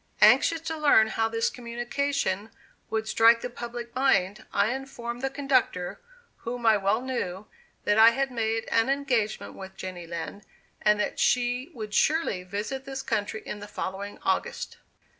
Anxious to learn how this communication would strike the public mind, I informed the conductor, whom I well knew, that I had made an engagement with Jenny Lind, and that she would surely visit this country in the following August.